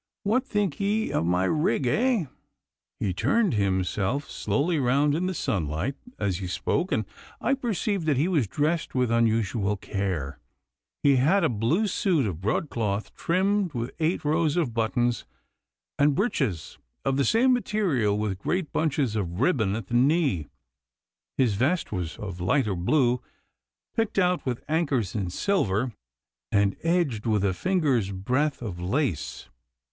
'What think ye of my rig, eh?' He turned himself slowly round in the sunlight as he spoke, and I perceived that he was dressed with unusual care. He had a blue suit of broadcloth trimmed with eight rows of buttons, and breeches of the same material with great bunches of ribbon at the knee. His vest was of lighter blue picked out with anchors in silver, and edged with a finger's breadth of lace.